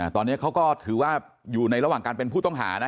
ตอนนี้เขาก็ถือว่าอยู่ในระหว่างการเป็นผู้ต้องหานะ